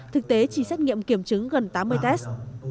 thực tế chỉ xét nghiệm kiểm chứng gần tám mươi test